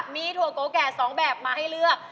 มีถั่วโกแก่๒แบบมาให้เลือก